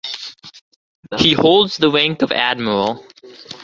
He holds the rank of Admiral.